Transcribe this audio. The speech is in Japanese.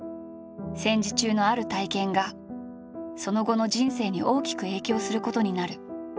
戦時中のある体験がその後の人生に大きく影響することになる。